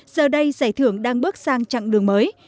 giờ đây giải thưởng đang bước sang chặng đường mới